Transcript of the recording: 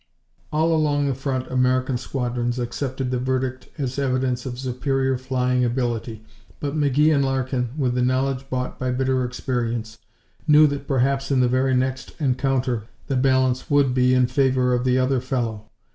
All along the front American squadrons accepted the verdict as evidence of superior flying ability, but McGee and Larkin, with the knowledge bought by bitter experience, knew that perhaps in the very next encounter the balance would be in favor of the other fellow.